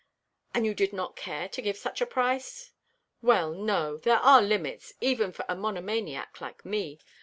"And you did not care to give such a price?" "Well, no. There are limits, even for a monomaniac like me.